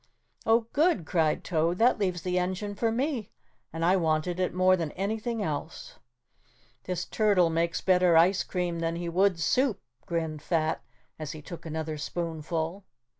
"Oh, good," cried Toad, "that leaves the engine for me and I wanted it more than anything else." "This turtle makes better ice cream than he would soup," grinned Fat as he took another spoonfull.